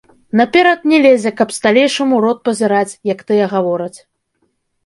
Наперад не лезе, каб сталейшым у рот пазіраць, як тыя гавораць.